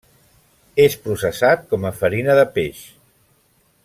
És processat com a farina de peix.